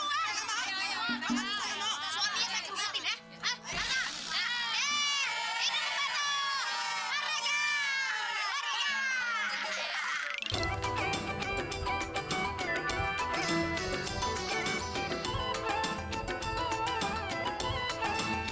eh ikutin patah